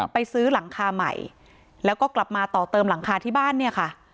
ไปซื้อหลังคาใหม่แล้วก็กลับมาต่อเติมหลังคาที่บ้านเนี่ยค่ะ